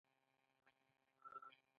بیا دې يې معنا کړي.